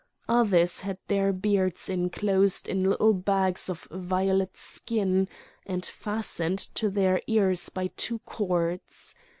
Others had their beards inclosed in little bags of violet skin, and fastened to their ears by two cords.